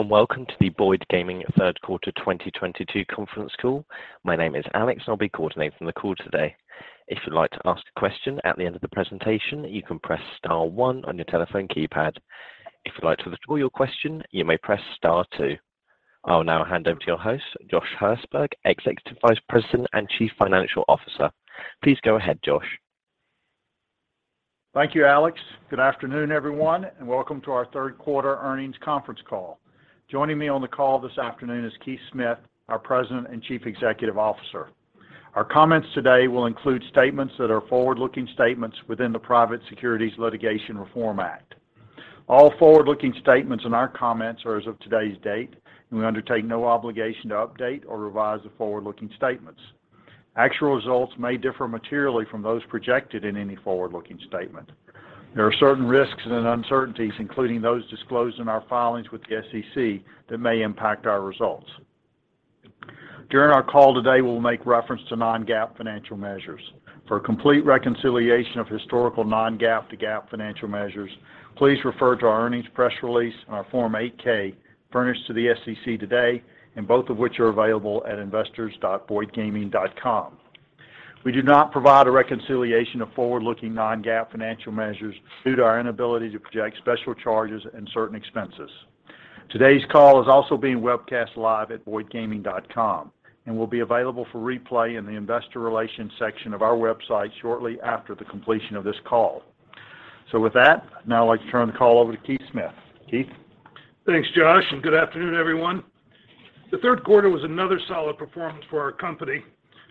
Welcome to the Boyd Gaming Third Quarter 2022 conference call. My name is Alex, and I'll be coordinating the call today. If you'd like to ask a question at the end of the presentation, you can press star one on your telephone keypad. If you'd like to withdraw your question, you may press star two. I will now hand over to your host, Josh Hirsberg, Executive Vice President and Chief Financial Officer. Please go ahead, Josh. Thank you, Alex. Good afternoon, everyone, and welcome to our third quarter earnings conference call. Joining me on the call this afternoon is Keith Smith, our President and Chief Executive Officer. Our comments today will include statements that are forward-looking statements within the Private Securities Litigation Reform Act. All forward-looking statements in our comments are as of today's date, and we undertake no obligation to update or revise the forward-looking statements. Actual results may differ materially from those projected in any forward-looking statement. There are certain risks and uncertainties, including those disclosed in our filings with the SEC that may impact our results. During our call today, we'll make reference to Non-GAAP financial measures. For a complete reconciliation of historical Non-GAAP to GAAP financial measures, please refer to our earnings press release and our Form 8-K furnished to the SEC today, and both of which are available at investors.boydgaming.com. We do not provide a reconciliation of forward-looking Non-GAAP financial measures due to our inability to project special charges and certain expenses. Today's call is also being webcast live at boydgaming.com and will be available for replay in the investor relations section of our website shortly after the completion of this call. With that, now I'd like to turn the call over to Keith Smith. Keith? Thanks, Josh, and good afternoon, everyone. The third quarter was another solid performance for our company.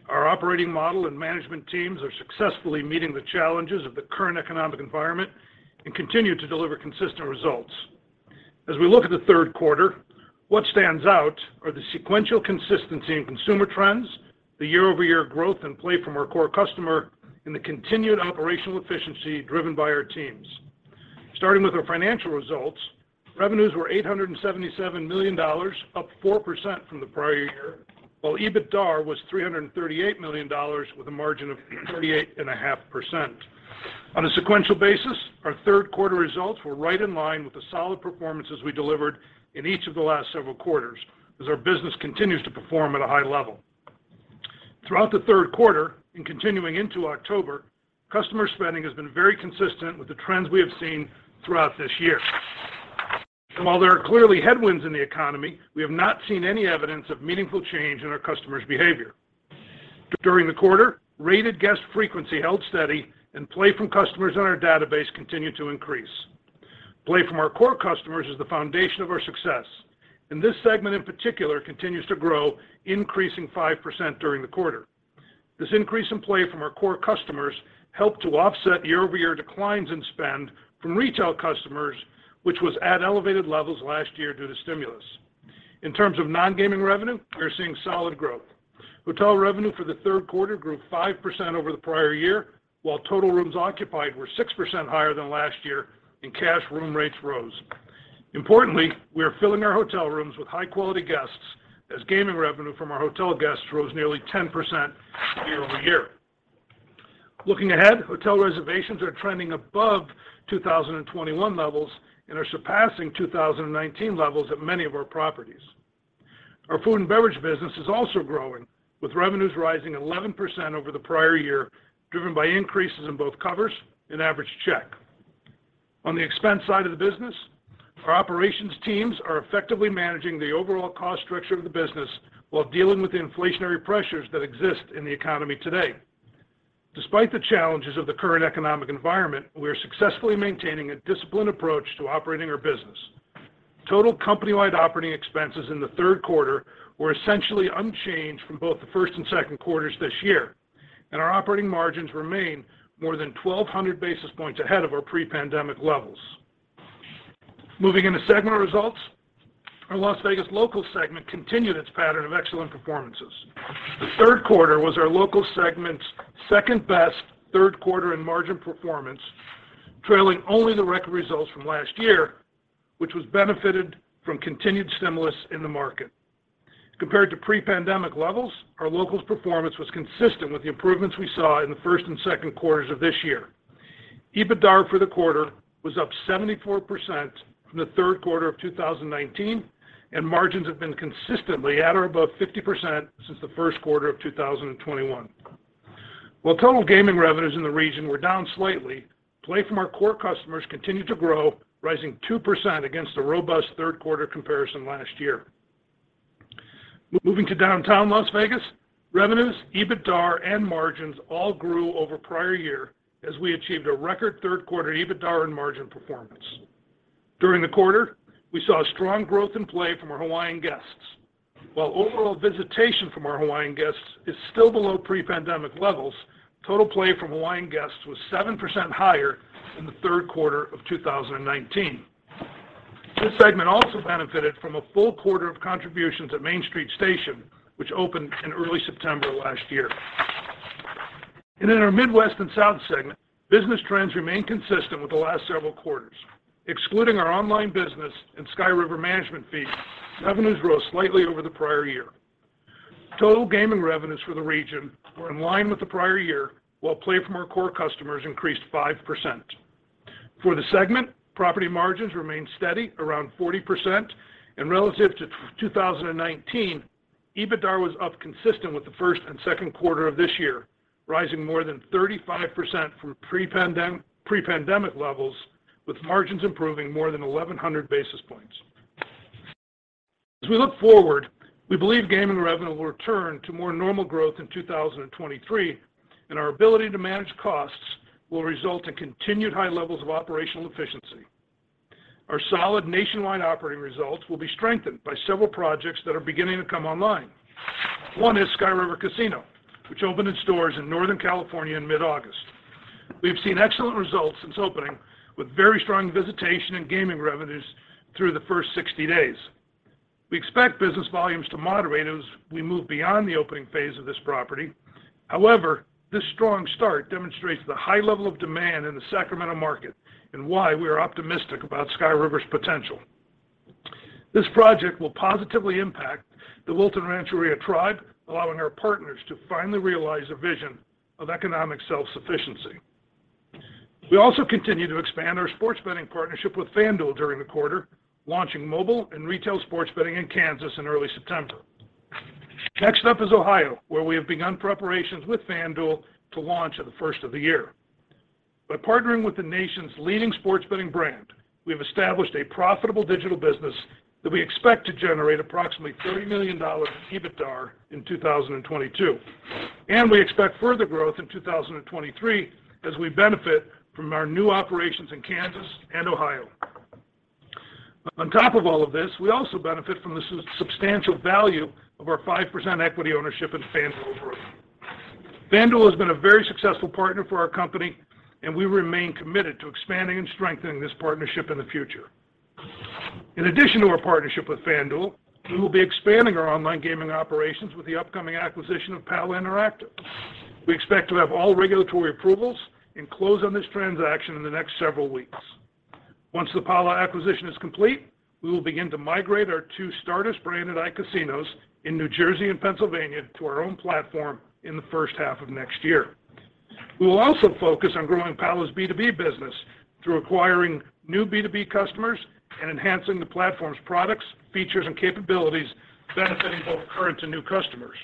Our operating model and management teams are successfully meeting the challenges of the current economic environment and continue to deliver consistent results. As we look at the third quarter, what stands out are the sequential consistency in consumer trends, the year-over-year growth and play from our core customer, and the continued operational efficiency driven by our teams. Starting with our financial results, revenues were $877 million, up 4% from the prior year, while EBITDAR was $338 million with a margin of 38.5%. On a sequential basis, our third quarter results were right in line with the solid performances we delivered in each of the last several quarters as our business continues to perform at a high level. Throughout the third quarter and continuing into October, customer spending has been very consistent with the trends we have seen throughout this year. While there are clearly headwinds in the economy, we have not seen any evidence of meaningful change in our customers' behavior. During the quarter, rated guest frequency held steady and play from customers on our database continued to increase. Play from our core customers is the foundation of our success, and this segment in particular continues to grow, increasing 5% during the quarter. This increase in play from our core customers helped to offset year-over-year declines in spend from retail customers, which was at elevated levels last year due to stimulus. In terms of non-gaming revenue, we are seeing solid growth. Hotel revenue for the third quarter grew 5% over the prior year, while total rooms occupied were 6% higher than last year and cash room rates rose. Importantly, we are filling our hotel rooms with high-quality guests as gaming revenue from our hotel guests rose nearly 10% year-over-year. Looking ahead, hotel reservations are trending above 2021 levels and are surpassing 2019 levels at many of our properties. Our food and beverage business is also growing, with revenues rising 11% over the prior year, driven by increases in both covers and average check. On the expense side of the business, our operations teams are effectively managing the overall cost structure of the business while dealing with the inflationary pressures that exist in the economy today. Despite the challenges of the current economic environment, we are successfully maintaining a disciplined approach to operating our business. Total company-wide operating expenses in the third quarter were essentially unchanged from both the first and second quarters this year, and our operating margins remain more than 1,200 basis points ahead of our pre-pandemic levels. Moving into segment results, our Las Vegas Local segment continued its pattern of excellent performances. The third quarter was our local segment's second-best third quarter in margin performance, trailing only the record results from last year, which was benefited from continued stimulus in the market. Compared to pre-pandemic levels, our locals performance was consistent with the improvements we saw in the first and second quarters of this year. EBITDAR for the quarter was up 74% from the third quarter of 2019, and margins have been consistently at or above 50% since the first quarter of 2021. While total gaming revenues in the region were down slightly, play from our core customers continued to grow, rising 2% against the robust third quarter comparison last year. Moving to downtown Las Vegas, revenues, EBITDAR, and margins all grew over prior year as we achieved a record third quarter EBITDAR and margin performance. During the quarter, we saw strong growth in play from our Hawaiian guests. While overall visitation from our Hawaiian guests is still below pre-pandemic levels, total play from Hawaiian guests was 7% higher than the third quarter of 2019. This segment also benefited from a full quarter of contributions at Main Street Station, which opened in early September last year. In our Midwest and South segment, business trends remain consistent with the last several quarters. Excluding our online business and Sky River management fees, revenues rose slightly over the prior year. Total gaming revenues for the region were in line with the prior year, while play from our core customers increased 5%. For the segment, property margins remained steady around 40% and relative to 2019, EBITDA was up consistent with the first and second quarter of this year, rising more than 35% from pre-pandemic levels, with margins improving more than 1,100 basis points. As we look forward, we believe gaming revenue will return to more normal growth in 2023, and our ability to manage costs will result in continued high levels of operational efficiency. Our solid nationwide operating results will be strengthened by several projects that are beginning to come online. One is Sky River Casino, which opened its doors in Northern California in mid-August. We've seen excellent results since opening, with very strong visitation and gaming revenues through the first 60 days. We expect business volumes to moderate as we move beyond the opening phase of this property. However, this strong start demonstrates the high level of demand in the Sacramento market and why we are optimistic about Sky River's potential. This project will positively impact the Wilton Rancheria Tribe, allowing our partners to finally realize a vision of economic self-sufficiency. We also continued to expand our sports betting partnership with FanDuel during the quarter, launching mobile and retail sports betting in Kansas in early September. Next up is Ohio, where we have begun preparations with FanDuel to launch at the first of the year. By partnering with the nation's leading sports betting brand, we have established a profitable digital business that we expect to generate approximately $30 million in EBITDA in 2022. We expect further growth in 2023 as we benefit from our new operations in Kansas and Ohio. On top of all of this, we also benefit from the substantial value of our 5% equity ownership in FanDuel Group. FanDuel has been a very successful partner for our company, and we remain committed to expanding and strengthening this partnership in the future. In addition to our partnership with FanDuel, we will be expanding our online gaming operations with the upcoming acquisition of Pala Interactive. We expect to have all regulatory approvals and close on this transaction in the next several weeks. Once the Pala acquisition is complete, we will begin to migrate our two Stardust branded iCasinos in New Jersey and Pennsylvania to our own platform in the first half of next year. We will also focus on growing Pala's B2B business through acquiring new B2B customers and enhancing the platform's products, features, and capabilities benefiting both current and new customers.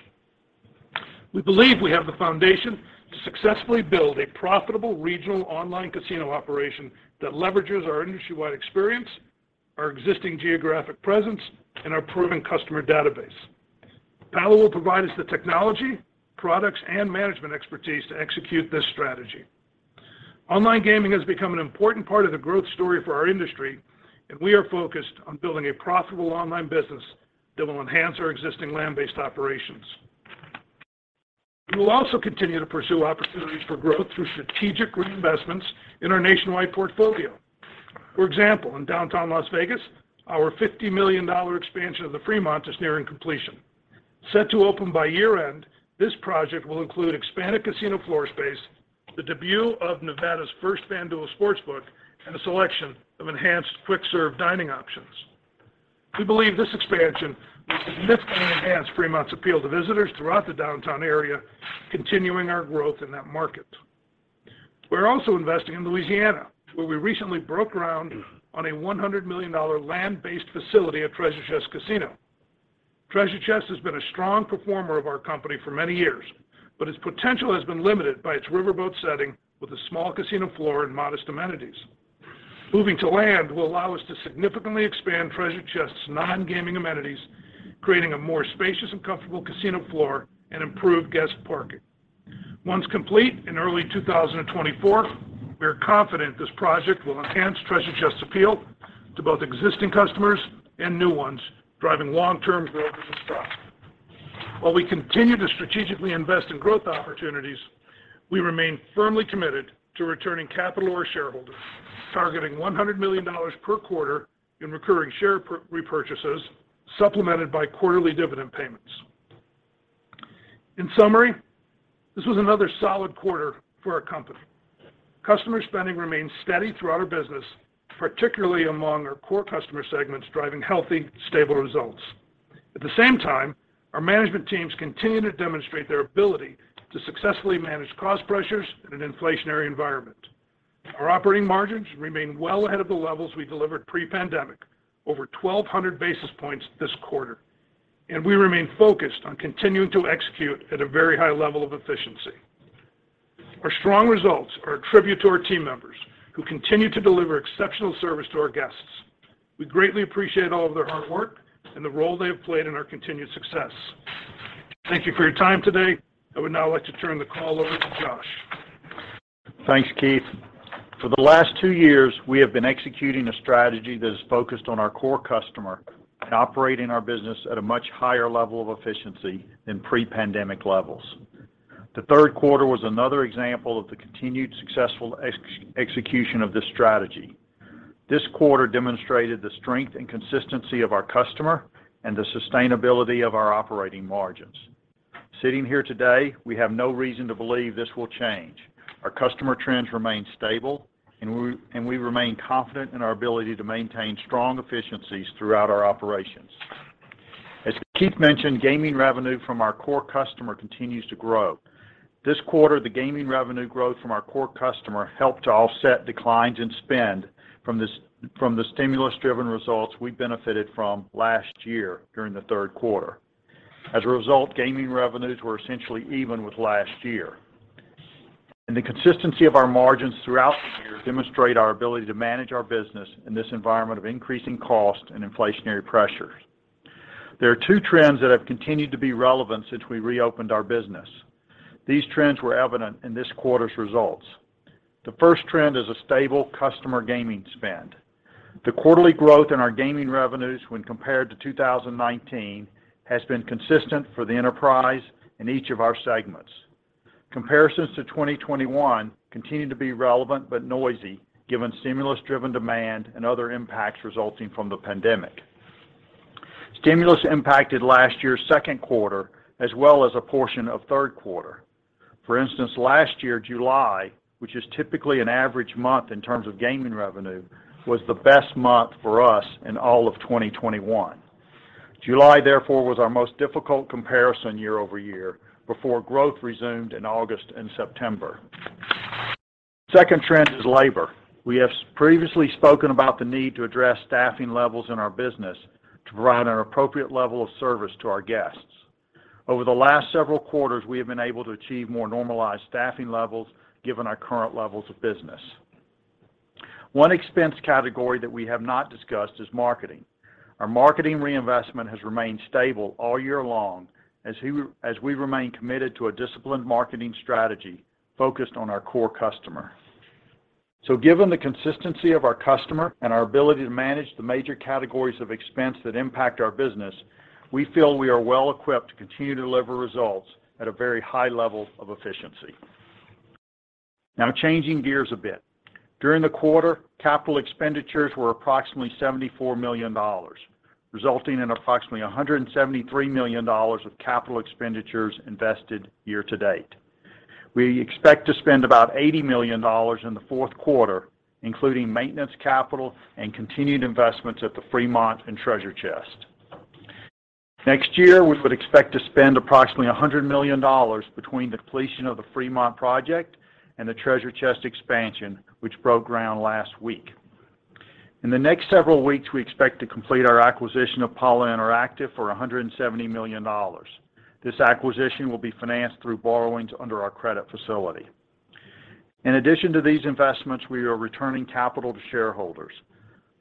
We believe we have the foundation to successfully build a profitable regional online casino operation that leverages our industry-wide experience, our existing geographic presence, and our proven customer database. Pala will provide us the technology, products, and management expertise to execute this strategy. Online gaming has become an important part of the growth story for our industry, and we are focused on building a profitable online business that will enhance our existing land-based operations. We will also continue to pursue opportunities for growth through strategic reinvestments in our nationwide portfolio. For example, in downtown Las Vegas, our $50 million expansion of the Fremont is nearing completion. Set to open by year-end, this project will include expanded casino floor space, the debut of Nevada's first FanDuel sportsbook, and a selection of enhanced quick-serve dining options. We believe this expansion will significantly enhance Fremont's appeal to visitors throughout the downtown area, continuing our growth in that market. We're also investing in Louisiana, where we recently broke ground on a $100 million land-based facility at Treasure Chest Casino. Treasure Chest has been a strong performer of our company for many years, but its potential has been limited by its riverboat setting with a small casino floor and modest amenities. Moving to land will allow us to significantly expand Treasure Chest's non-gaming amenities, creating a more spacious and comfortable casino floor and improved guest parking. Once complete in early 2024, we are confident this project will enhance Treasure Chest's appeal to both existing customers and new ones, driving long-term growth in this market. While we continue to strategically invest in growth opportunities, we remain firmly committed to returning capital to our shareholders, targeting $100 million per quarter in recurring share repurchases, supplemented by quarterly dividend payments. In summary, this was another solid quarter for our company. Customer spending remains steady throughout our business, particularly among our core customer segments, driving healthy, stable results. At the same time, our management teams continue to demonstrate their ability to successfully manage cost pressures in an inflationary environment. Our operating margins remain well ahead of the levels we delivered pre-pandemic, over 1,200 basis points this quarter, and we remain focused on continuing to execute at a very high level of efficiency. Our strong results are a tribute to our team members who continue to deliver exceptional service to our guests. We greatly appreciate all of their hard work and the role they have played in our continued success. Thank you for your time today. I would now like to turn the call over to Josh. Thanks, Keith. For the last two years, we have been executing a strategy that is focused on our core customer and operating our business at a much higher level of efficiency than pre-pandemic levels. The third quarter was another example of the continued successful execution of this strategy. This quarter demonstrated the strength and consistency of our customer and the sustainability of our operating margins. Sitting here today, we have no reason to believe this will change. Our customer trends remain stable, and we remain confident in our ability to maintain strong efficiencies throughout our operations. As Keith mentioned, gaming revenue from our core customer continues to grow. This quarter, the gaming revenue growth from our core customer helped to offset declines in spend from the stimulus-driven results we benefited from last year during the third quarter. As a result, gaming revenues were essentially even with last year. The consistency of our margins throughout the year demonstrate our ability to manage our business in this environment of increasing cost and inflationary pressures. There are two trends that have continued to be relevant since we reopened our business. These trends were evident in this quarter's results. The first trend is a stable customer gaming spend. The quarterly growth in our gaming revenues when compared to 2019 has been consistent for the enterprise in each of our segments. Comparisons to 2021 continue to be relevant but noisy, given stimulus-driven demand and other impacts resulting from the pandemic. Stimulus impacted last year's second quarter as well as a portion of third quarter. For instance, last year, July, which is typically an average month in terms of gaming revenue, was the best month for us in all of 2021. July, therefore, was our most difficult comparison year-over-year before growth resumed in August and September. Second trend is labor. We have previously spoken about the need to address staffing levels in our business to provide an appropriate level of service to our guests. Over the last several quarters, we have been able to achieve more normalized staffing levels given our current levels of business. One expense category that we have not discussed is marketing. Our marketing reinvestment has remained stable all year long as we, as we remain committed to a disciplined marketing strategy focused on our core customer. Given the consistency of our customer and our ability to manage the major categories of expense that impact our business, we feel we are well equipped to continue to deliver results at a very high level of efficiency. Now changing gears a bit. During the quarter, capital expenditures were approximately $74 million, resulting in approximately $173 million of capital expenditures invested year to date. We expect to spend about $80 million in the fourth quarter, including maintenance capital and continued investments at the Fremont and Treasure Chest. Next year, we would expect to spend approximately $100 million between the completion of the Fremont project and the Treasure Chest expansion, which broke ground last week. In the next several weeks, we expect to complete our acquisition of Pala Interactive for $170 million. This acquisition will be financed through borrowings under our credit facility. In addition to these investments, we are returning capital to shareholders.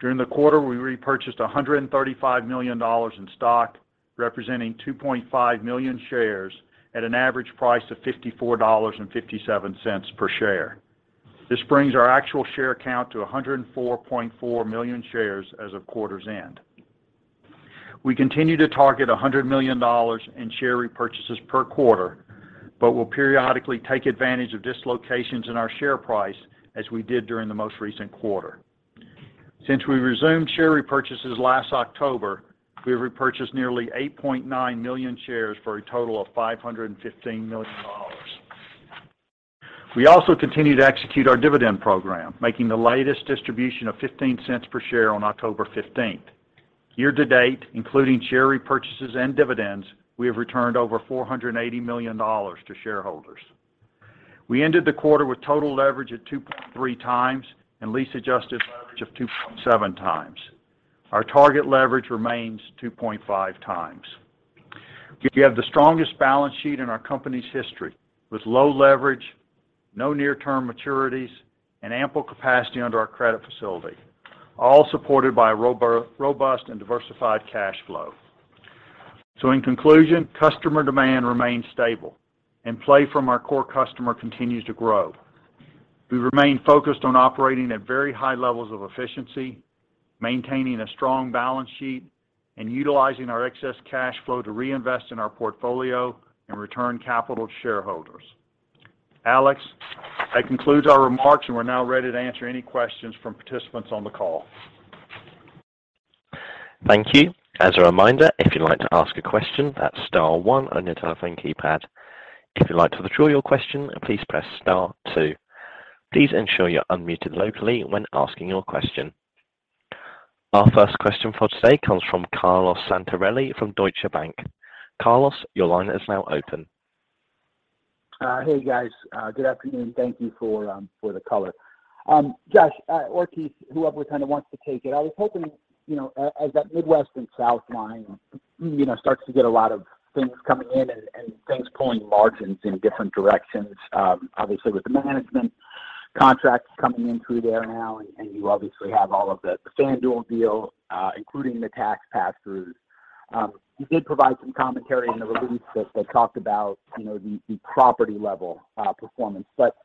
During the quarter, we repurchased $135 million in stock, representing 2.5 million shares at an average price of $54.57 per share. This brings our actual share count to 104.4 million shares as of quarter's end. We continue to target $100 million in share repurchases per quarter, but we'll periodically take advantage of dislocations in our share price as we did during the most recent quarter. Since we resumed share repurchases last October, we've repurchased nearly 8.9 million shares for a total of $515 million. We also continue to execute our dividend program, making the latest distribution of $0.15 per share on October 15th. Year to date, including share repurchases and dividends, we have returned over $480 million to shareholders. We ended the quarter with total leverage of 2.3x and lease-adjusted leverage of 2.7x. Our target leverage remains 2.5x. We have the strongest balance sheet in our company's history, with low leverage, no near-term maturities, and ample capacity under our credit facility, all supported by a robust and diversified cash flow. In conclusion, customer demand remains stable and play from our core customer continues to grow. We remain focused on operating at very high levels of efficiency, maintaining a strong balance sheet and utilizing our excess cash flow to reinvest in our portfolio and return capital to shareholders. Alex, that concludes our remarks, and we're now ready to answer any questions from participants on the call. Thank you. As a reminder, if you'd like to ask a question, that's star one on your telephone keypad. If you'd like to withdraw your question, please press star two. Please ensure you're unmuted locally when asking your question. Our first question for today comes from Carlo Santarelli from Deutsche Bank. Carlo, your line is now open. Hey, guys. Good afternoon. Thank you for the color. Josh or Keith, whoever kind of wants to take it. I was hoping, you know, as that Midwest and South line, you know, starts to get a lot of things coming in and things pulling margins in different directions, obviously with the management contracts coming in through there now, and you obviously have all of the FanDuel deal, including the tax pass-throughs. You did provide some commentary in the release that talked about, you know, the property level performance. But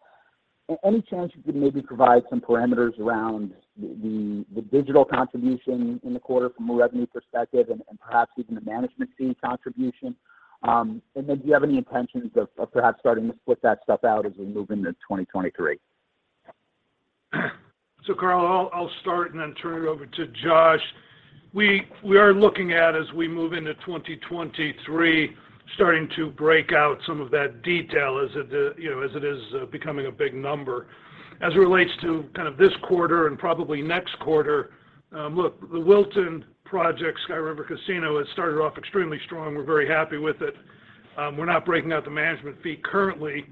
any chance you could maybe provide some parameters around the digital contribution in the quarter from a revenue perspective and perhaps even the management fee contribution? Do you have any intentions of perhaps starting to split that stuff out as we move into 2023? Carlo, I'll start and then turn it over to Josh. We are looking at, as we move into 2023, starting to break out some of that detail as it, you know, as it is becoming a big number. As it relates to kind of this quarter and probably next quarter, look, the Wilton project, Sky River Casino, has started off extremely strong. We're very happy with it. We're not breaking out the management fee currently.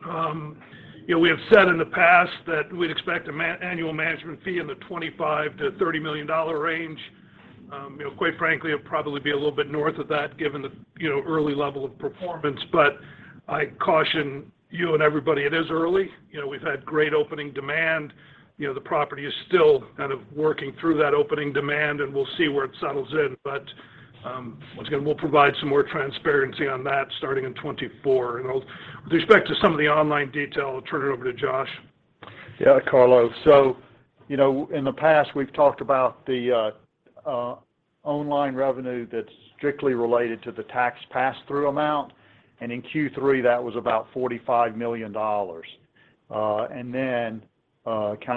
You know, we have said in the past that we'd expect an annual management fee in the $25 million-$30 million range. You know, quite frankly, it'll probably be a little bit north of that given the, you know, early level of performance. I caution you and everybody, it is early. You know, we've had great opening demand. You know, the property is still kind of working through that opening demand, and we'll see where it settles in. Once again, we'll provide some more transparency on that starting in 2024. With respect to some of the online detail, I'll turn it over to Josh. Yeah, Carlo. You know, in the past, we've talked about the online revenue that's strictly related to the tax pass-through amount, and in Q3, that was about $45 million. Kind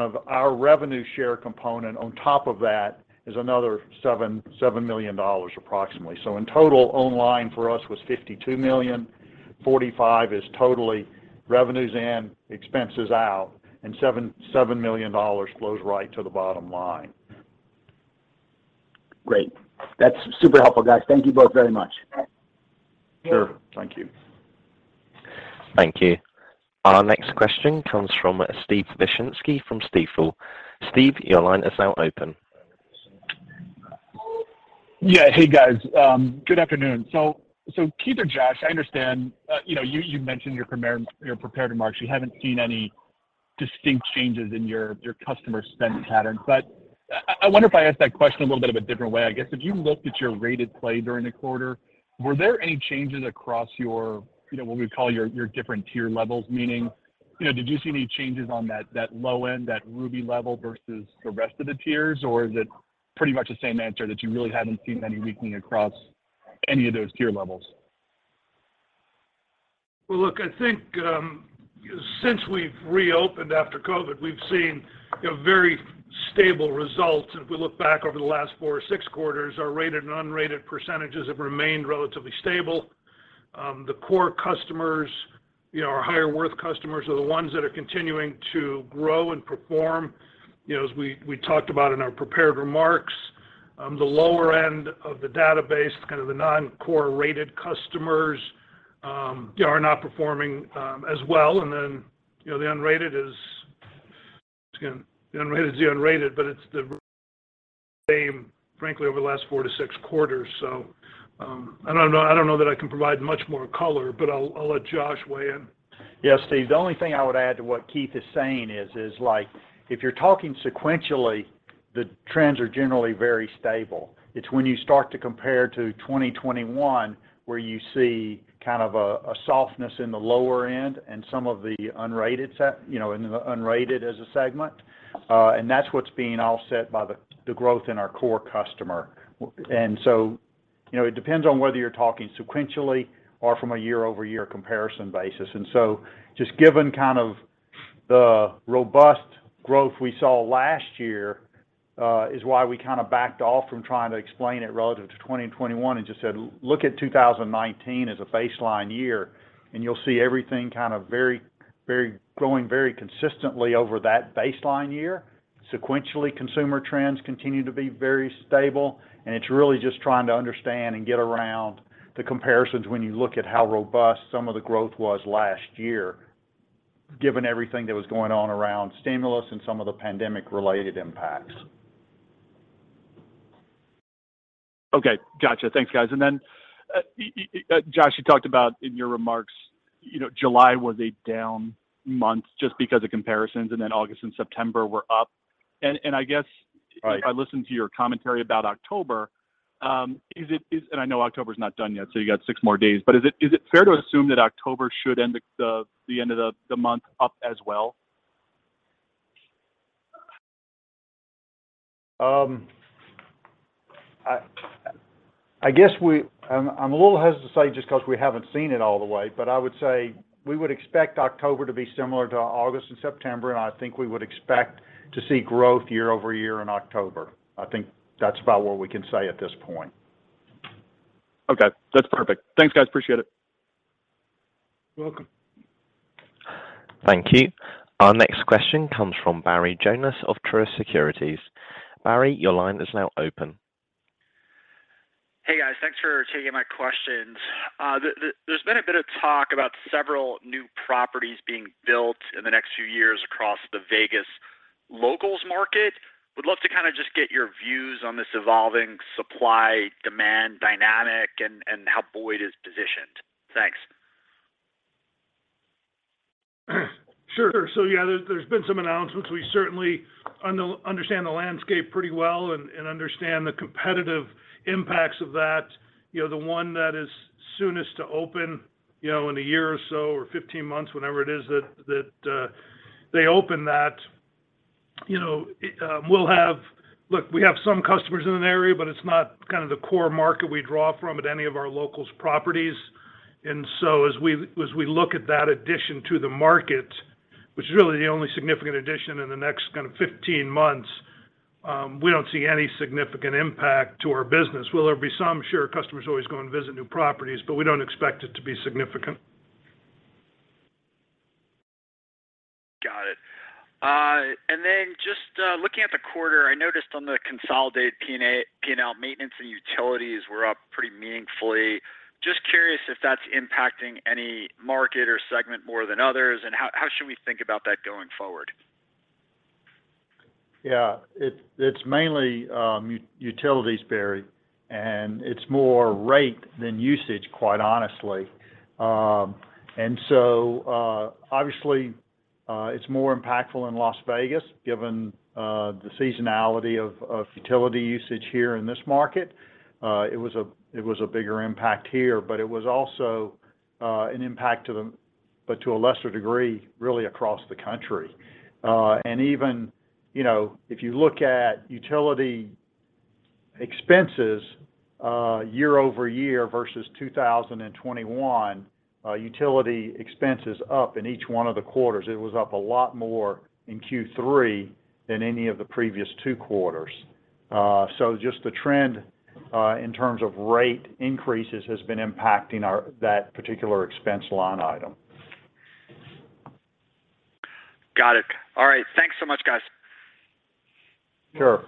of our revenue share component on top of that is another $7 million approximately. In total, online for us was $52 million. $45 million is total revenues in, expenses out, and $7 million flows right to the bottom line. Great. That's super helpful, guys. Thank you both very much. Sure. Thank you. Thank you. Our next question comes from Steven Wieczynski from Stifel. Steve, your line is now open. Yeah. Hey, guys. Good afternoon. Keith or Josh, I understand you know, you mentioned in your prepared remarks you haven't seen any distinct changes in your spending patterns. I wonder if I ask that question a little bit of a different way. I guess if you looked at your rated play during the quarter, were there any changes across your, you know, what we call your different tier levels, meaning, you know, did you see any changes on that low end, that Ruby level versus the rest of the tiers? Or is it pretty much the same answer that you really haven't seen any weakening across any of those tier levels? Well, look, I think, since we've reopened after COVID, we've seen, you know, very stable results. If we look back over the last four or six quarters, our rated and unrated percentages have remained relatively stable. The core customers, you know, our higher worth customers are the ones that are continuing to grow and perform. You know, as we talked about in our prepared remarks, the lower end of the database, kind of the non-core rated customers, they are not performing as well. Then, you know, the unrated is, once again, the unrated is the unrated, but it's the same frankly over the last four to six quarters. I don't know that I can provide much more color, but I'll let Josh weigh in. Yeah, Steve, the only thing I would add to what Keith is saying is like, if you're talking sequentially, the trends are generally very stable. It's when you start to compare to 2021 where you see kind of a softness in the lower end and some of the unrated, you know, in the unrated as a segment. And that's what's being offset by the growth in our core customer. And so, you know, it depends on whether you're talking sequentially or from a year-over-year comparison basis. And so just given kind of the robust growth we saw last year is why we kind of backed off from trying to explain it relative to 2021 and just said, look at 2019 as a baseline year and you'll see everything kind of very growing very consistently over that baseline year. Sequentially, consumer trends continue to be very stable, and it's really just trying to understand and get around the comparisons when you look at how robust some of the growth was last year, given everything that was going on around stimulus and some of the pandemic-related impacts. Okay. Gotcha. Thanks, guys. Josh, you talked about in your remarks, you know, July was a down month just because of comparisons, and then August and September were up. I guess- Right If I listen to your commentary about October, I know October's not done yet, so you got six more days, but is it fair to assume that October should end the month up as well? I guess I'm a little hesitant to say just 'cause we haven't seen it all the way, but I would say we would expect October to be similar to August and September, and I think we would expect to see growth year-over-year in October. I think that's about what we can say at this point. Okay. That's perfect. Thanks, guys. Appreciate it. You're welcome. Thank you. Our next question comes from Barry Jonas of Truist Securities. Barry, your line is now open. Hey, guys. Thanks for taking my questions. There's been a bit of talk about several new properties being built in the next few years across the Vegas locals market. Would love to kind of just get your views on this evolving supply-demand dynamic and how Boyd is positioned. Thanks. Sure. Yeah, there's been some announcements. We certainly understand the landscape pretty well and understand the competitive impacts of that. You know, the one that is soonest to open, you know, in a year or so or 15 months, whenever it is that they open that, you know, Look, we have some customers in the area, but it's not kind of the core market we draw from at any of our locals properties. As we look at that addition to the market, which is really the only significant addition in the next kind of 15 months, we don't see any significant impact to our business. Will there be some? Sure. Customers always go and visit new properties, but we don't expect it to be significant. Got it. Just looking at the quarter, I noticed on the consolidated P&L maintenance and utilities were up pretty meaningfully. Just curious if that's impacting any market or segment more than others, and how should we think about that going forward? Yeah. It's mainly utilities, Barry, and it's more rate than usage, quite honestly. It's more impactful in Las Vegas, given the seasonality of utility usage here in this market. It was a bigger impact here, but it was also an impact to them, but to a lesser degree, really across the country. You know, if you look at utility expenses year-over-year versus 2021, utility expense is up in each one of the quarters. It was up a lot more in Q3 than any of the previous two quarters. The trend in terms of rate increases has been impacting that particular expense line item. Got it. All right. Thanks so much, guys. Sure.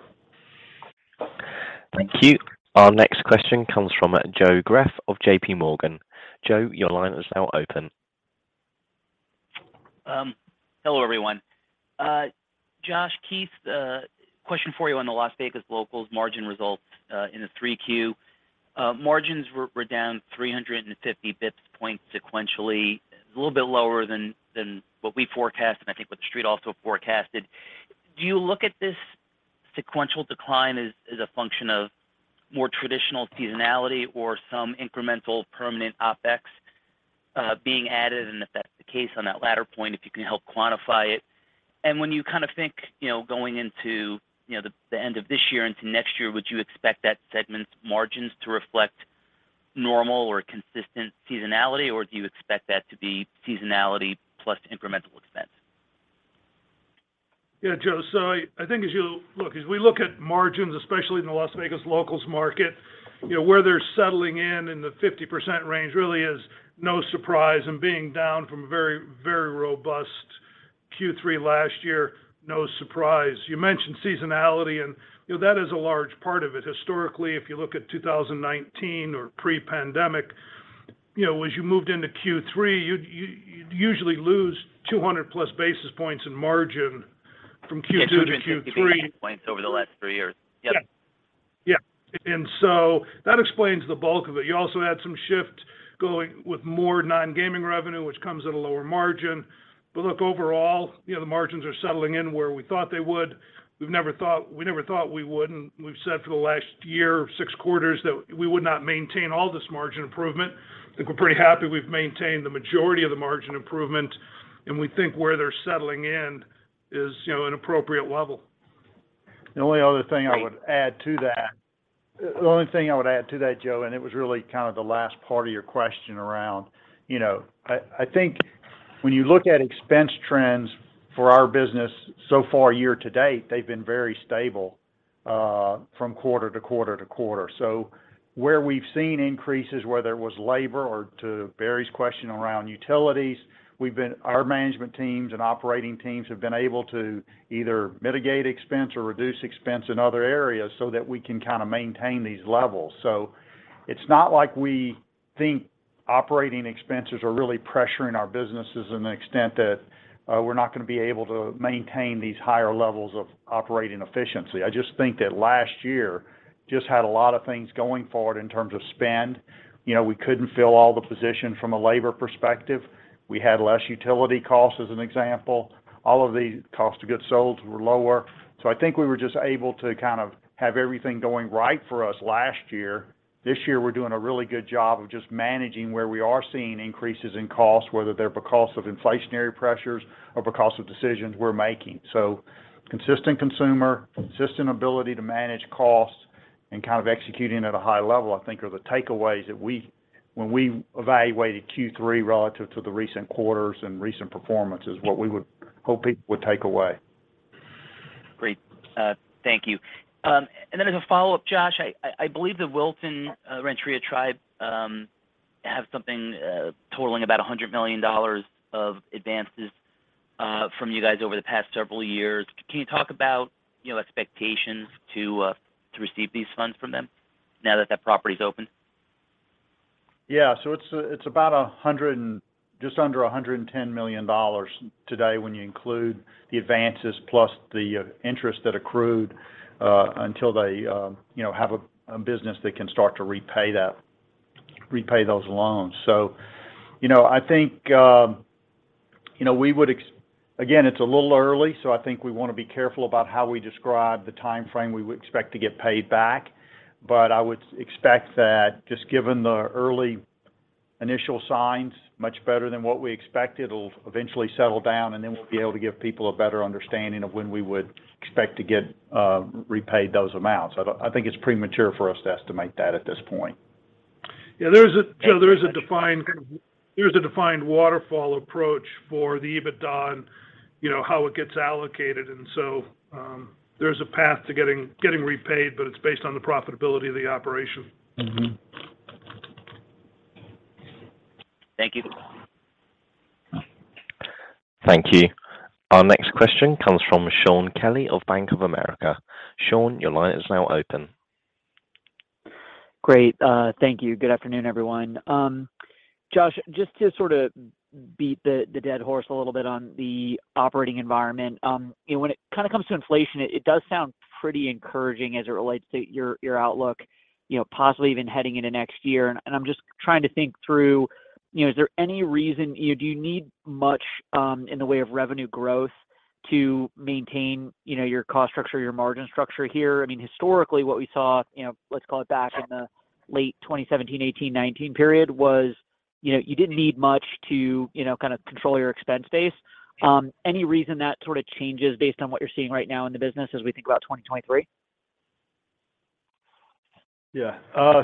Thank you. Our next question comes from Joseph Greff of J.P. Morgan. Joe, your line is now open. Hello, everyone. Josh, Keith, question for you on the Las Vegas Locals margin results in the 3Q. Margins were down 350 basis points sequentially. A little bit lower than what we forecast and I think what The Street also forecasted. Do you look at this sequential decline as a function of more traditional seasonality or some incremental permanent OpEx being added? If that's the case on that latter point, if you can help quantify it. When you kind of think, you know, going into, you know, the end of this year into next year, would you expect that segment's margins to reflect normal or consistent seasonality, or do you expect that to be seasonality plus incremental expense? Yeah, Joe. I think, look, as we look at margins, especially in the Las Vegas Locals market, you know, where they're settling in the 50% range really is no surprise. Being down from a very, very robust Q3 last year, no surprise. You mentioned seasonality, and you know, that is a large part of it. Historically, if you look at 2019 or pre-pandemic, you know, as you moved into Q3, you'd usually lose 200+ basis points in margin from Q2 to Q3. Yeah, 250 basis points over the last 3 years. Yep. Yeah. Yeah. That explains the bulk of it. You also had some shift going with more non-gaming revenue, which comes at a lower margin. Look, overall, you know, the margins are settling in where we thought they would. We never thought we wouldn't. We've said for the last year, six quarters, that we would not maintain all this margin improvement. I think we're pretty happy we've maintained the majority of the margin improvement, and we think where they're settling in is, you know, an appropriate level. The only thing I would add to that, Joe, and it was really kind of the last part of your question around, you know, I think when you look at expense trends for our business so far year to date, they've been very stable from quarter to quarter to quarter. So where we've seen increases, whether it was labor or to Barry's question around utilities, our management teams and operating teams have been able to either mitigate expense or reduce expense in other areas so that we can kind of maintain these levels. So it's not like we think operating expenses are really pressuring our businesses in the extent that we're not going to be able to maintain these higher levels of operating efficiency. I just think that last year just had a lot of things going forward in terms of spend. You know, we couldn't fill all the positions from a labor perspective. We had less utility costs, as an example. All of the cost of goods sold were lower. I think we were just able to kind of have everything going right for us last year. This year, we're doing a really good job of just managing where we are seeing increases in costs, whether they're because of inflationary pressures or because of decisions we're making. Consistent consumer, consistent ability to manage costs, and kind of executing at a high level, I think, are the takeaways that we, when we evaluated Q3 relative to the recent quarters and recent performance is what we would hope people would take away. Great. Thank you. As a follow-up, Josh, I believe the Wilton Rancheria tribe have something totaling about $100 million of advances from you guys over the past several years. Can you talk about, you know, expectations to receive these funds from them now that that property is open? Yeah. It's about just under $110 million today when you include the advances plus the interest that accrued until they, you know, have a business that can start to repay those loans. You know, I think. Again, it's a little early, so I think we want to be careful about how we describe the timeframe we would expect to get paid back. I would expect that just given the early initial signs, much better than what we expected, it'll eventually settle down, and then we'll be able to give people a better understanding of when we would expect to get repaid those amounts. I think it's premature for us to estimate that at this point. Yeah, there's a defined waterfall approach for the EBITDA and, you know, how it gets allocated. There's a path to getting repaid, but it's based on the profitability of the operation. Thank you. Thank you. Our next question comes from Shaun Kelley of Bank of America. Shaun, your line is now open. Great. Thank you. Good afternoon, everyone. Josh, just to sort of beat the dead horse a little bit on the operating environment, you know, when it kind of comes to inflation, it does sound pretty encouraging as it relates to your outlook, you know, possibly even heading into next year. I'm just trying to think through, you know, is there any reason. Do you need much, in the way of revenue growth to maintain, you know, your cost structure, your margin structure here? I mean, historically, what we saw, you know, let's call it back in the late 2017, 2018, 2019 period was, you know, you didn't need much to, you know, kind of control your expense base. Any reason that sort of changes based on what you're seeing right now in the business as we think about 2023? Yeah.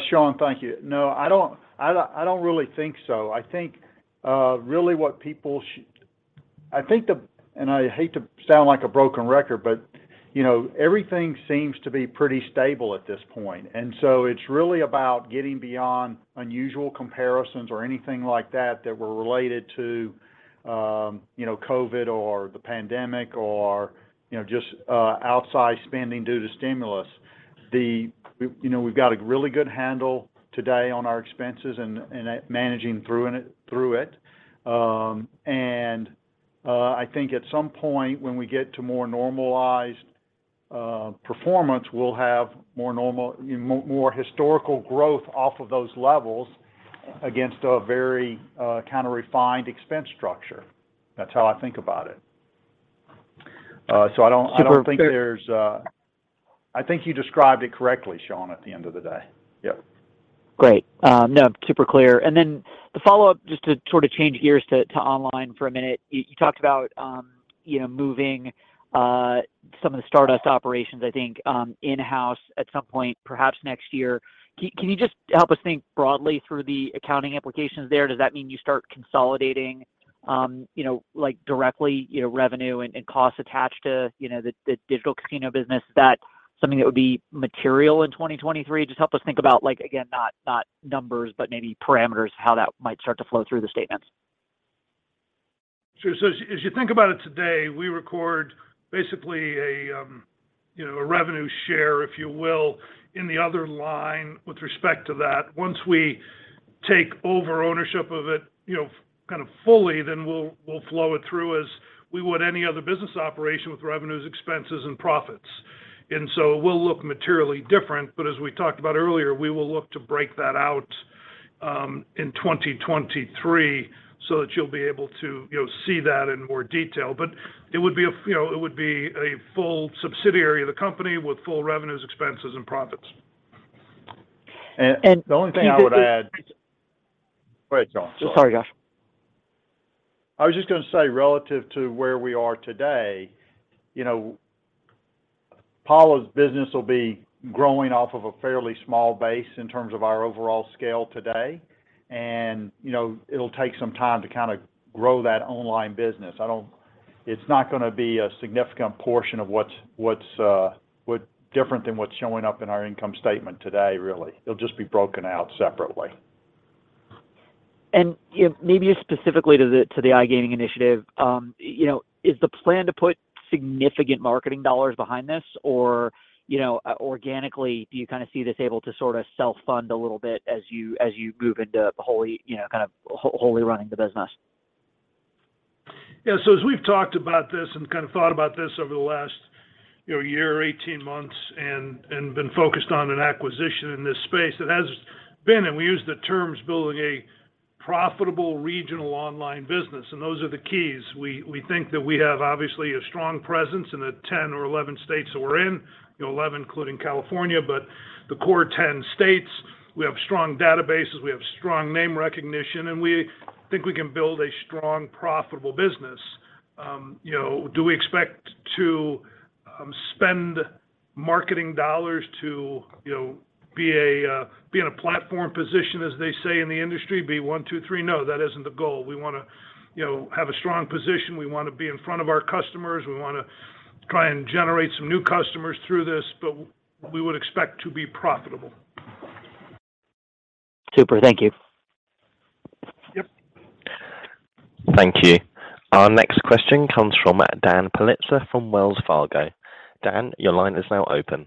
Shaun, thank you. No, I don't really think so. I think really what people—I think the I hate to sound like a broken record, but you know, everything seems to be pretty stable at this point. It's really about getting beyond unusual comparisons or anything like that that were related to, you know, COVID or the pandemic or, you know, just outside spending due to stimulus. We, you know, we've got a really good handle today on our expenses and managing through it. I think at some point when we get to more normalized performance, we'll have more normal, you know, more historical growth off of those levels against a very kind of refined expense structure. That's how I think about it. I think you described it correctly, Shaun, at the end of the day. Yep. Great. No, super clear. Then the follow-up, just to sort of change gears to online for a minute. You talked about, you know, moving some of the Stardust operations, I think, in-house at some point perhaps next year. Can you just help us think broadly through the accounting implications there? Does that mean you start consolidating, you know, like directly, you know, revenue and costs attached to, you know, the digital casino business? Is that something that would be material in 2023? Just help us think about like, again, not numbers, but maybe parameters, how that might start to flow through the statements. Sure. As you think about it today, we record basically a you know a revenue share, if you will, in the other line with respect to that. Once we take over ownership of it, you know, kind of fully, then we'll flow it through as we would any other business operation with revenues, expenses and profits. It will look materially different, but as we talked about earlier, we will look to break that out in 2023 so that you'll be able to you know see that in more detail. It would be a you know it would be a full subsidiary of the company with full revenues, expenses and profits. And, and- The only thing I would add. Go ahead, Shaun. Sorry. Sorry, Josh. I was just gonna say relative to where we are today, you know, Pala's business will be growing off of a fairly small base in terms of our overall scale today. You know, it'll take some time to kind of grow that online business. It's not gonna be a significant portion of what's different than what's showing up in our income statement today really. It'll just be broken out separately. You know, maybe specifically to the iGaming initiative, you know, is the plan to put significant marketing dollars behind this? Or, you know, organically, do you kind of see this able to sort of self-fund a little bit as you move into wholly running the business? Yeah. As we've talked about this and kind of thought about this over the last, you know, year or 18 months and been focused on an acquisition in this space, it has been, and we use the terms building a profitable regional online business, and those are the keys. We think that we have obviously a strong presence in the 10 or 11 states that we're in. You know, 11 including California. The core 10 states, we have strong databases, we have strong name recognition, and we think we can build a strong, profitable business. You know, do we expect to spend marketing dollars to, you know, be in a platform position as they say in the industry, be one, two, three? No, that isn't the goal. We wanna, you know, have a strong position. We wanna be in front of our customers. We wanna try and generate some new customers through this, but we would expect to be profitable. Super. Thank you. Yep. Thank you. Our next question comes from Daniel Politzer from Wells Fargo. Dan, your line is now open.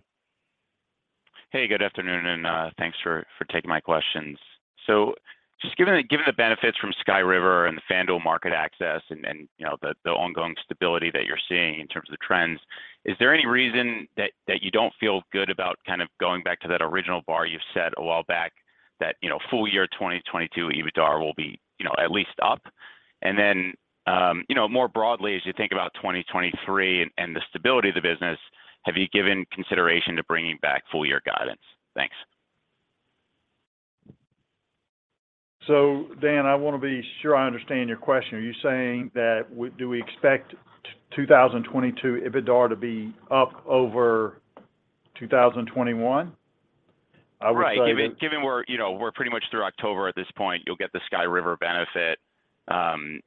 Hey, good afternoon, and thanks for taking my questions. Just given the benefits from Sky River and the FanDuel market access and, you know, the ongoing stability that you're seeing in terms of the trends, is there any reason that you don't feel good about kind of going back to that original bar you've set a while back that, you know, full year 2022 EBITDA will be, you know, at least up? You know, more broadly as you think about 2023 and the stability of the business, have you given consideration to bringing back full year guidance? Thanks. Dan, I wanna be sure I understand your question. Are you saying that we do expect 2022 EBITDA to be up over 2021? I would say that Right. Given we're, you know, we're pretty much through October at this point, you'll get the Sky River benefit, and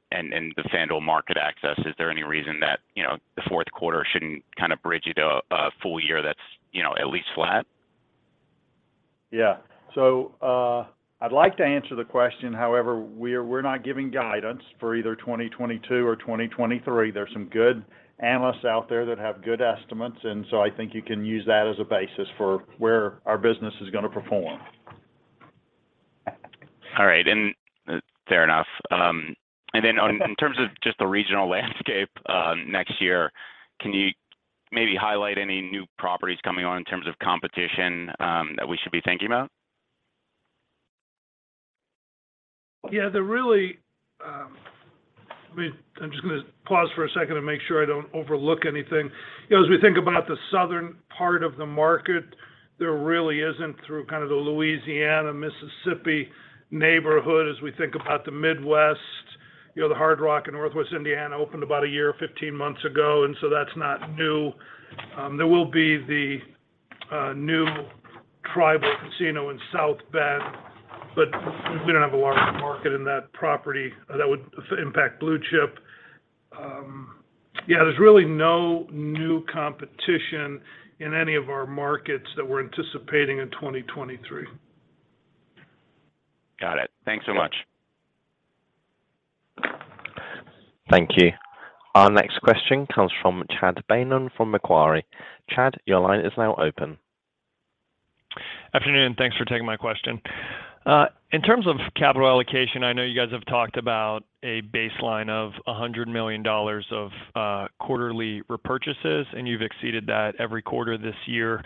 the FanDuel market access. Is there any reason that, you know, the fourth quarter shouldn't kind of bridge it a full year that's, you know, at least flat? Yeah, I'd like to answer the question. However, we're not giving guidance for either 2022 or 2023. There's some good analysts out there that have good estimates, and I think you can use that as a basis for where our business is gonna perform. All right. Fair enough. In terms of just the regional landscape, next year, can you maybe highlight any new properties coming on in terms of competition, that we should be thinking about? Yeah. They're really, I mean, I'm just gonna pause for a second to make sure I don't overlook anything. You know, as we think about the southern part of the market, there really isn't much in the Louisiana, Mississippi neighborhood as we think about the Midwest. You know, the Hard Rock Casino in Northern Indiana opened about a year, 15 months ago, and so that's not new. There will be the new tribal casino in South Bend, but we don't have a large market in that property that would impact Blue Chip. Yeah, there's really no new competition in any of our markets that we're anticipating in 2023. Got it. Thanks so much. Thank you. Our next question comes from Chad Beynon from Macquarie. Chad, your line is now open. Afternoon, thanks for taking my question. In terms of capital allocation, I know you guys have talked about a baseline of $100 million of quarterly repurchases, and you've exceeded that every quarter this year.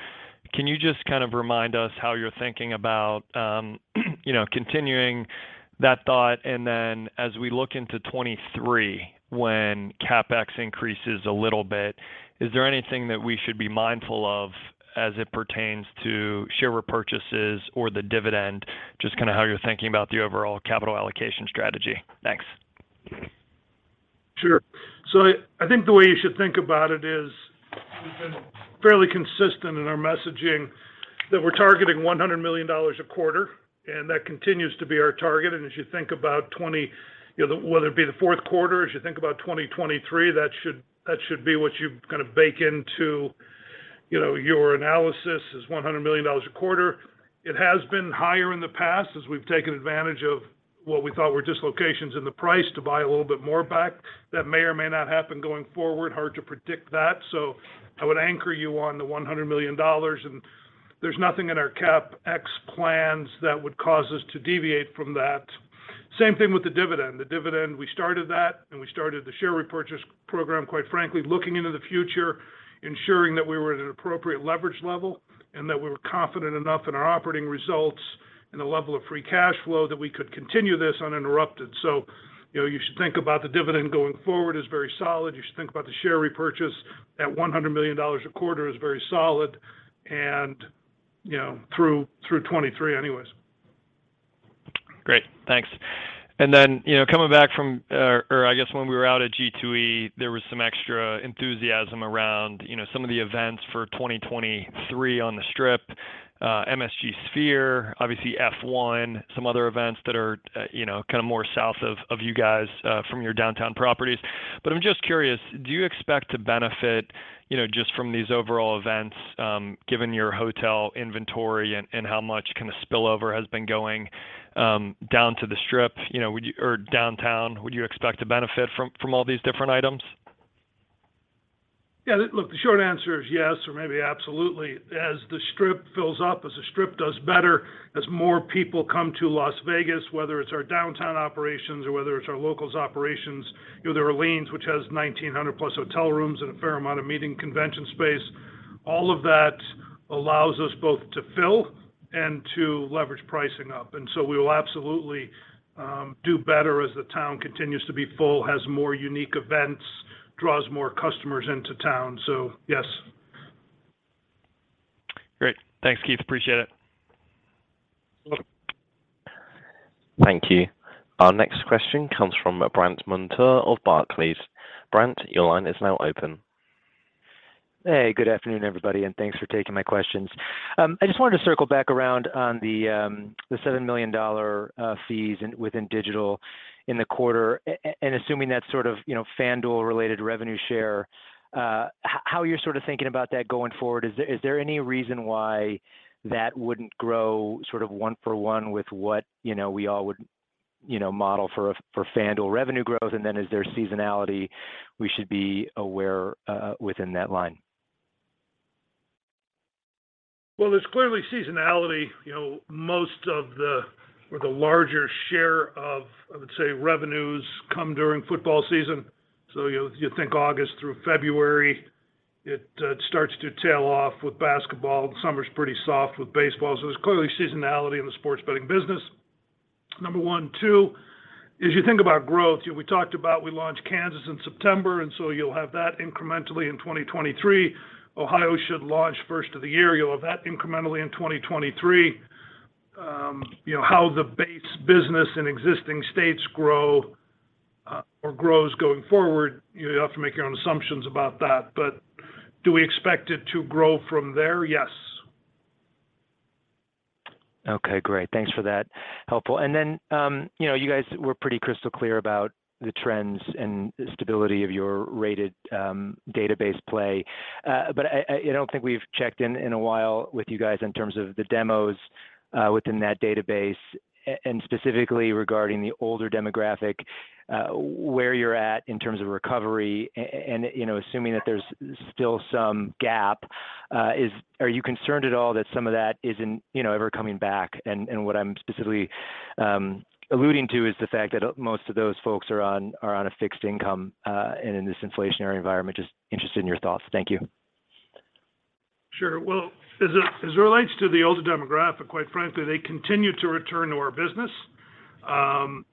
Can you just kind of remind us how you're thinking about, you know, continuing that thought? Then as we look into 2023 when CapEx increases a little bit, is there anything that we should be mindful of as it pertains to share repurchases or the dividend? Just kinda how you're thinking about the overall capital allocation strategy. Thanks. Sure. I think the way you should think about it is we've been fairly consistent in our messaging that we're targeting $100 million a quarter, and that continues to be our target. As you think about— You know, whether it be the fourth quarter, as you think about 2023, that should be what you kind of bake into, you know, your analysis is $100 million a quarter. It has been higher in the past as we've taken advantage of what we thought were dislocations in the price to buy a little bit more back. That may or may not happen going forward. Hard to predict that. I would anchor you on the $100 million, and there's nothing in our CapEx plans that would cause us to deviate from that. Same thing with the dividend. The dividend, we started that, and we started the share repurchase program, quite frankly, looking into the future, ensuring that we were at an appropriate leverage level, and that we were confident enough in our operating results and the level of free cash flow that we could continue this uninterrupted. You know, you should think about the dividend going forward as very solid. You should think about the share repurchase at $100 million a quarter is very solid and, you know, through 2023 anyways. Great. Thanks. I guess when we were out at G2E, there was some extra enthusiasm around, you know, some of the events for 2023 on the Strip. MSG Sphere, obviously F1, some other events that are, you know, kinda more south of you guys from your downtown properties. But I'm just curious, do you expect to benefit, you know, just from these overall events, given your hotel inventory and how much kind of spillover has been going down to the Strip? You know, or downtown, would you expect to benefit from all these different items? Yeah, look, the short answer is yes or maybe absolutely. As the Strip fills up, as the Strip does better, as more people come to Las Vegas, whether it's our downtown operations or whether it's our locals operations, you know, there are The Orleans which has 1,900+ hotel rooms and a fair amount of meeting convention space. All of that allows us both to fill and to leverage pricing up. We will absolutely do better as the town continues to be full, has more unique events, draws more customers into town. Yes. Great. Thanks, Keith. Appreciate it. Welcome. Thank you. Our next question comes from Brandt Montour of Barclays. Brandt, your line is now open. Hey, good afternoon, everybody, and thanks for taking my questions. I just wanted to circle back around on the $7 million fees within digital in the quarter and assuming that's sort of, you know, FanDuel related revenue share, how you're sort of thinking about that going forward. Is there any reason why that wouldn't grow sort of one for one with what, you know, we all would, you know, model for FanDuel revenue growth? And then is there seasonality we should be aware within that line? Well, there's clearly seasonality. You know, most of the, or the larger share of, I would say, revenues come during football season. You'll, you think August through February, it starts to tail off with basketball. Summer's pretty soft with baseball, so there's clearly seasonality in the sports betting business, number one. Two. As you think about growth, you know, we talked about we launched Kansas in September, and so you'll have that incrementally in 2023. Ohio should launch first of the year. You'll have that incrementally in 2023. You know, how the base business in existing states grow or grows going forward, you have to make your own assumptions about that. Do we expect it to grow from there? Yes. Okay, great. Thanks for that. Helpful. You know, you guys were pretty crystal clear about the trends and stability of your rated database play. But I don't think we've checked in a while with you guys in terms of the demos within that database and specifically regarding the older demographic, where you're at in terms of recovery and, you know, assuming that there's still some gap. Are you concerned at all that some of that isn't, you know, ever coming back? And what I'm specifically alluding to is the fact that most of those folks are on a fixed income and in this inflationary environment. Just interested in your thoughts. Thank you. Sure. Well, as it relates to the older demographic, quite frankly, they continue to return to our business, and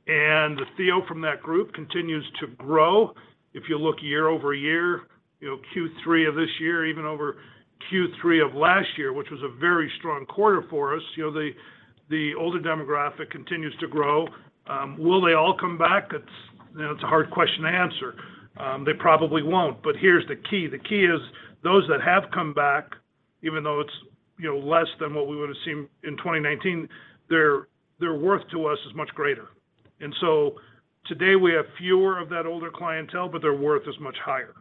the theo from that group continues to grow. If you look year-over-year, you know, Q3 of this year, even over Q3 of last year, which was a very strong quarter for us, you know, the older demographic continues to grow. Will they all come back? It's, you know, a hard question to answer. They probably won't. Here's the key. The key is those that have come back, even though it's, you know, less than what we would have seen in 2019, their worth to us is much greater. Today we have fewer of that older clientele, but their worth is much higher.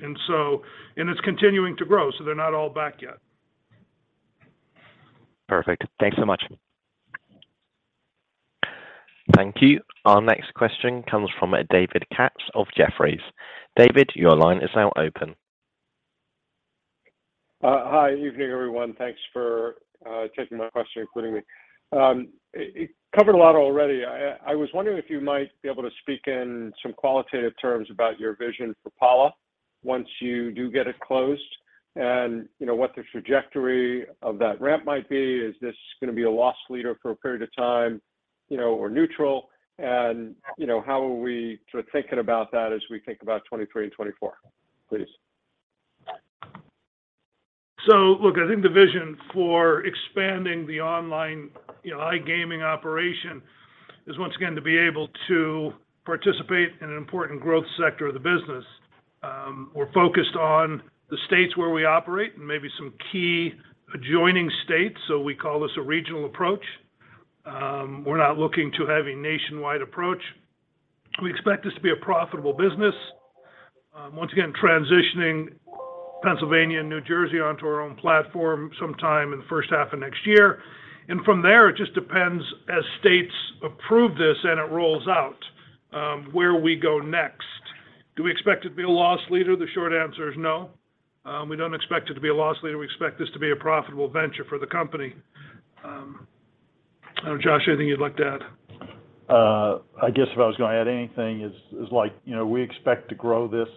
It's continuing to grow, so they're not all back yet. Perfect. Thanks so much. Thank you. Our next question comes from David Katz of Jefferies. David, your line is now open. Hi. Evening, everyone. Thanks for taking my question, including me. You covered a lot already. I was wondering if you might be able to speak in some qualitative terms about your vision for Pala once you do get it closed and, you know, what the trajectory of that ramp might be. Is this gonna be a loss leader for a period of time, you know, or neutral? You know, how are we sort of thinking about that as we think about 2023 and 2024, please? Look, I think the vision for expanding the online, you know, iGaming operation is once again to be able to participate in an important growth sector of the business. We're focused on the states where we operate and maybe some key adjoining states. We call this a regional approach. We're not looking to have a nationwide approach. We expect this to be a profitable business. Once again, transitioning Pennsylvania and New Jersey onto our own platform sometime in the first half of next year. From there, it just depends as states approve this and it rolls out, where we go next. Do we expect it to be a loss leader? The short answer is no. We don't expect it to be a loss leader. We expect this to be a profitable venture for the company. I don't know, Josh, anything you'd like to add? I guess if I was gonna add anything is like, you know, we expect to grow this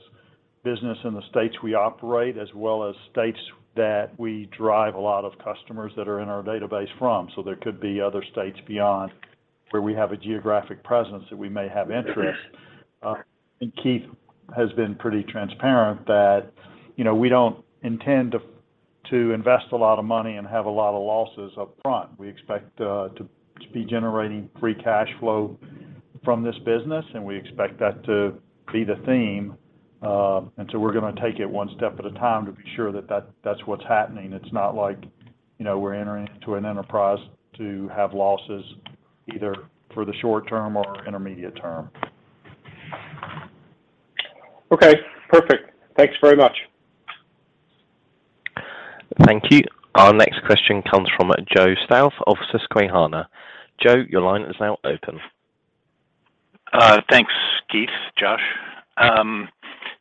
business in the states we operate, as well as states that we drive a lot of customers that are in our database from. There could be other states beyond where we have a geographic presence that we may have interest. Keith has been pretty transparent that, you know, we don't intend to invest a lot of money and have a lot of losses up front. We expect to be generating free cash flow from this business, and we expect that to be the theme. We're gonna take it one step at a time to be sure that that's what's happening. It's not like, you know, we're entering into an enterprise to have losses either for the short term or intermediate term. Okay, perfect. Thanks very much. Thank you. Our next question comes from Joseph Stauff of Susquehanna. Joe, your line is now open. Thanks, Keith, Josh.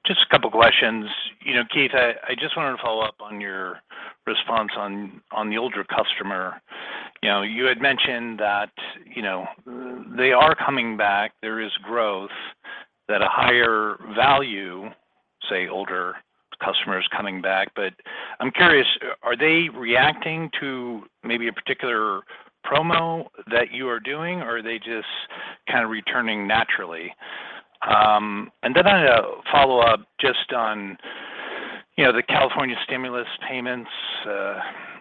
Just a couple questions. You know, Keith, I just wanted to follow up on your response on the older customer. You know, you had mentioned that, you know, they are coming back. There is growth that a higher value, say, older customers coming back. I'm curious, are they reacting to maybe a particular promo that you are doing, or are they just kind of returning naturally? I had a follow-up just on, you know, the California stimulus payments.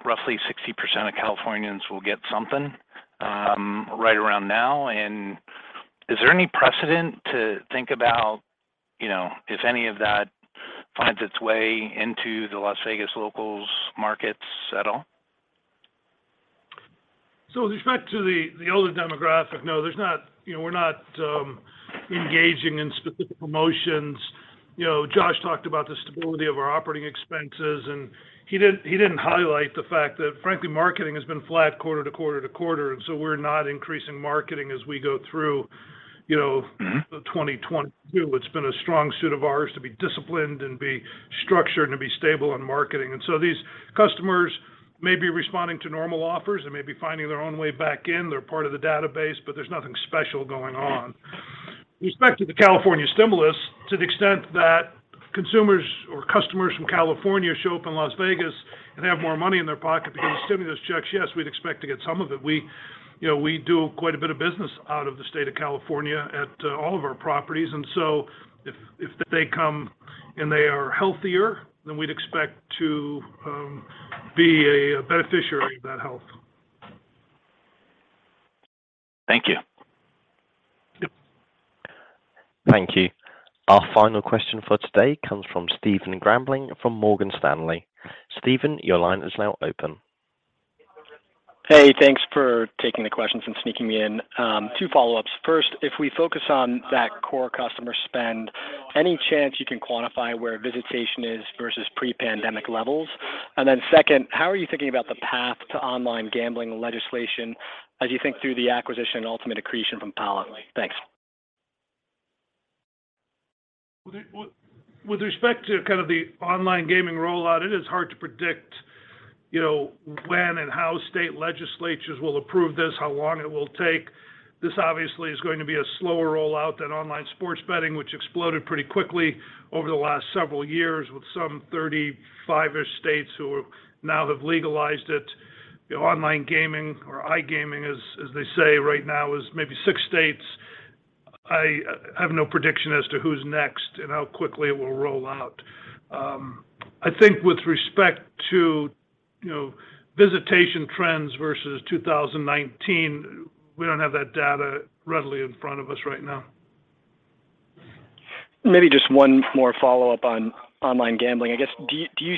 Roughly 60% of Californians will get something, right around now. Is there any precedent to think about, you know, if any of that finds its way into the Las Vegas locals markets at all? With respect to the older demographic, no, there's not. You know, we're not engaging in specific promotions. You know, Josh talked about the stability of our operating expenses, and he didn't highlight the fact that, frankly, marketing has been flat quarter to quarter to quarter, and so we're not increasing marketing as we go through, you know. Mm-hmm... the 2022. It's been a strong suit of ours to be disciplined and be structured and be stable in marketing. These customers may be responding to normal offers. They may be finding their own way back in. They're part of the database, but there's nothing special going on. With respect to the California stimulus, to the extent that consumers or customers from California show up in Las Vegas and have more money in their pocket because of stimulus checks, yes, we'd expect to get some of it. We, you know, we do quite a bit of business out of the state of California at all of our properties. If they come and they are healthier, then we'd expect to be a beneficiary of that health. Thank you. Yep. Thank you. Our final question for today comes from Stephen Grambling from Morgan Stanley. Steven, your line is now open. Hey, thanks for taking the questions and sneaking me in. Two follow-ups. First, if we focus on that core customer spend, any chance you can quantify where visitation is versus pre-pandemic levels? Second, how are you thinking about the path to online gambling legislation as you think through the acquisition and ultimate accretion from Pala? Thanks. With respect to kind of the online gaming rollout, it is hard to predict, you know, when and how state legislatures will approve this, how long it will take. This obviously is going to be a slower rollout than online sports betting, which exploded pretty quickly over the last several years with some 35-ish states who now have legalized it. Online gaming or iGaming, as they say right now, is maybe states states. I have no prediction as to who's next and how quickly it will roll out. I think with respect to, you know, visitation trends versus 2019, we don't have that data readily in front of us right now. Maybe just one more follow-up on online gambling. I guess, do you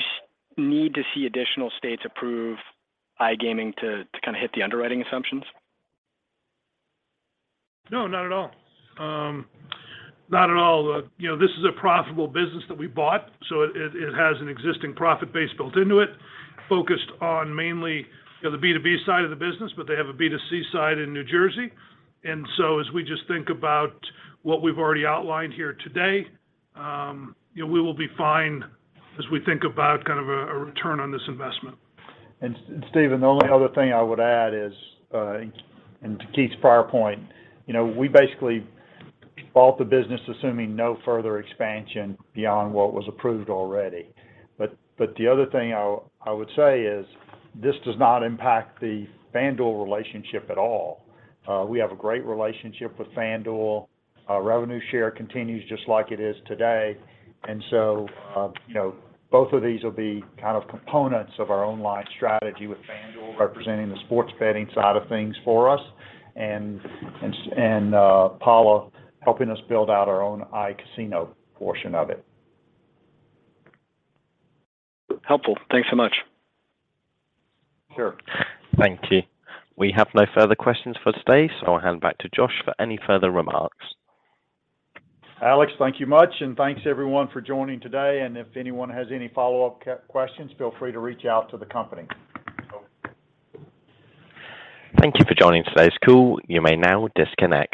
need to see additional states approve iGaming to kind of hit the underwriting assumptions? No, not at all. Not at all. You know, this is a profitable business that we bought, so it has an existing profit base built into it, focused on mainly, you know, the B2B side of the business, but they have a B2C side in New Jersey. As we just think about what we've already outlined here today, you know, we will be fine as we think about kind of a return on this investment. Steven, the only other thing I would add is and to Keith's prior point, you know, we basically bought the business assuming no further expansion beyond what was approved already. The other thing I would say is this does not impact the FanDuel relationship at all. We have a great relationship with FanDuel. Our revenue share continues just like it is today. You know, both of these will be kind of components of our online strategy, with FanDuel representing the sports betting side of things for us and Pala helping us build out our own iCasino portion of it. Helpful. Thanks so much. Sure. Thank you. We have no further questions for today, so I'll hand back to Josh for any further remarks. Alex, thank you much, and thanks everyone for joining today. If anyone has any follow-up questions, feel free to reach out to the company. Thank you for joining today's call. You may now disconnect.